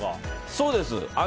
そうです。